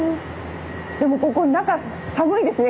でもここ中寒いですね